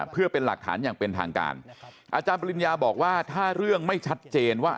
เพื่อเป็นหลักฐานอย่างเป็นทางการอาจารย์ปริญญาบอกว่าถ้าเรื่องไม่ชัดเจนว่า